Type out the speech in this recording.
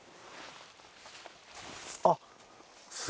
あっ。